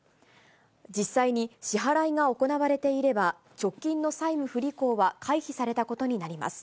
実際に支払いが行われていれば、直近の債務不履行は回避されたことになります。